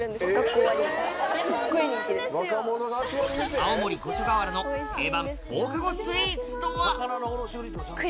青森・五所川原の定番放課後スイーツとは？